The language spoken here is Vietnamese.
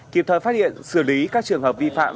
kịp thời phát hiện xử lý các trường hợp vi phạm